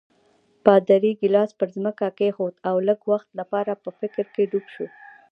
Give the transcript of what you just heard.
پادري ګیلاس پر ځمکه کېښود او لږ وخت لپاره په فکر کې ډوب شو.